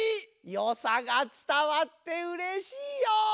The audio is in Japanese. よさがつたわってうれしいよ！